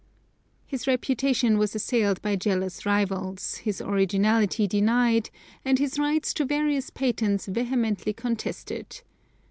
His reputation was assailed by jealous rivals, his originality denied, and his rights to various patents vehemently contested.